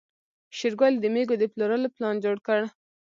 شېرګل د مېږو د پلورلو پلان جوړ کړ.